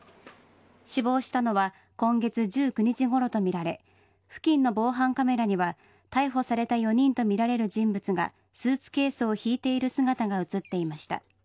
死亡したのは今月１９日ごろとみられ付近の防犯カメラには逮捕された４人とみられる人物がスーツケースを引いている姿が映っていました。